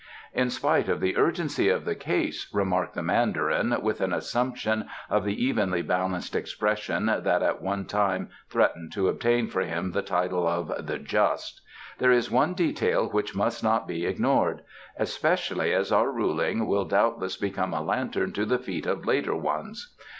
"In spite of the urgency of the case," remarked the Mandarin, with an assumption of the evenly balanced expression that at one time threatened to obtain for him the title of "The Just", "there is one detail which must not be ignored especially as our ruling will doubtless become a lantern to the feet of later ones.